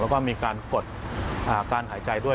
แล้วก็มีการกดการหายใจด้วย